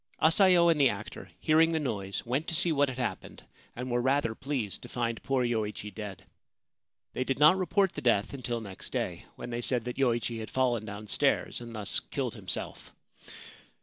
Asayo and the actor, hearing the noise, went to see what had happened, and were rather pleased to find poor Yoichi dead. They did not report the death until next day, when they said that Yoichi had fallen down stairs and thus killed himself.